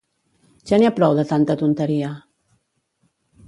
Ja n'hi ha prou de tanta tonteria!